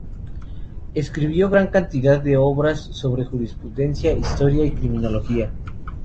Escribió gran cantidad de obras sobre jurisprudencia, historia y criminología.